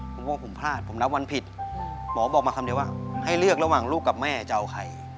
ผมว่าผมพลาดผมนับวันผิดหมอบอกมาคำเดียวว่าให้เลือกระหว่างลูกกับแม่จะเอาใคร